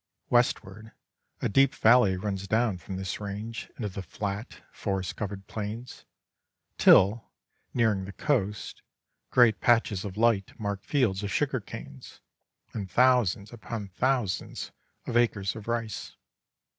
Westward, a deep valley runs down from this range into the flat, forest covered plains, till, nearing the coast, great patches of light mark fields of sugar canes and thousands upon thousands of acres of rice.